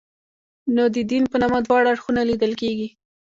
نو د دین په نامه دواړه اړخونه لیدل کېږي.